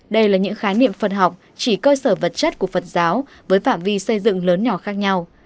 đây là những khái niệm phật học chỉ cơ sở vật chất của phật giáo với phạm vi xây dựng lớn nhỏ khác nhau